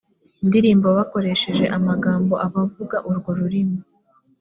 ndirimbo bakoresheje amagambo abavuga urwo rurimi